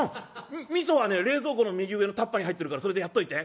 味噌はね冷蔵庫の右上のタッパーに入ってるからそれでやっといて」。